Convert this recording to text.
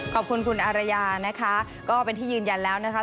ขอบคุณคุณอารยานะคะก็เป็นที่ยืนยันแล้วนะคะ